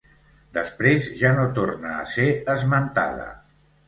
Després ja no torna a ser esmentada.